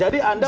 biar anda tahu